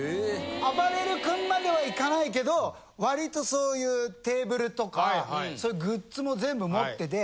あばれる君まではいかないけど割とそういうテーブルとかそういうグッズも全部持ってて。